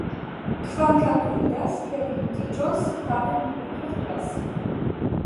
Kvankam mi vidas, ke vi judiĝos, tamen mi vin gratulas.